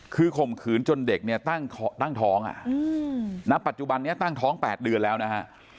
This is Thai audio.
คือข่มขืนจนเด็กเนี่ยตั้งท้องณปัจจุบันนี้ตั้งท้อง๘เดือนแล้วนะฮะ